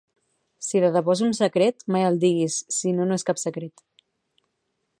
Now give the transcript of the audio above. Si de debò és un secret mai el diguis sinó no és cap secret